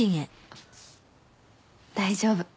大丈夫。